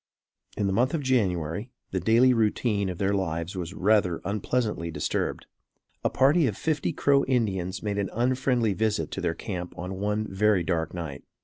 In the month of January, the daily routine of their lives was rather unpleasantly disturbed. A party of fifty Crow Indians made an unfriendly visit to their camp on one very dark night.